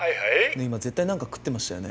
ねえ今絶対なんか食ってましたよね？